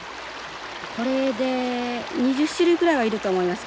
これで２０種類ぐらいはいると思います。